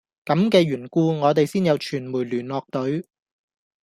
咁嘅緣故我哋先有傳媒聯絡隊